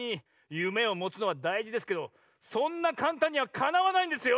夢をもつのはだいじですけどそんなかんたんにはかなわないんですよ！